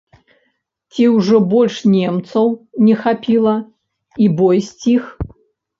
Ці ўжо больш немцаў не хапіла, і бой сціх?